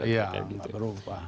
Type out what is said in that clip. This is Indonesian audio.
ya nggak berubah